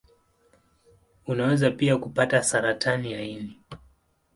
Unaweza pia kupata saratani ya ini.